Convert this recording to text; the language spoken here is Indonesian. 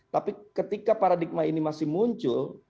tapi ketika paradigma ini masih muncul